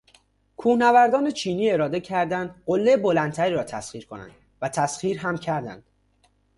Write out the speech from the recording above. کوهنوردان چینی اراده کردند قلهٔ بلندتری را تسخیر کنند و تسخیر هم کردند